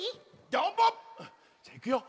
じゃあいくよ。